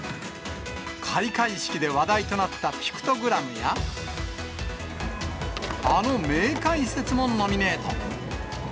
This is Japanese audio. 開会式で話題となったピクトグラムや、あの名解説もノミネート。